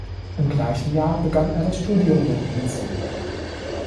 Im gleichen Jahr begann er das Studium der Medizin.